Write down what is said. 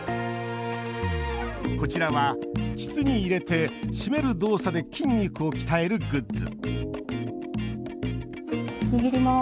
こちらは膣に入れて締める動作で筋肉を鍛えるグッズ握ります。